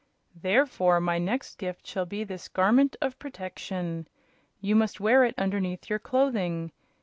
"Therefore my next gift shall be this Garment of Protection. You must wear it underneath your clothing.